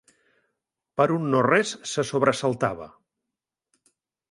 Per un no res se sobresaltava.